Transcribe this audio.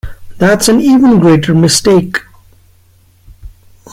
That’s an even greater mistake.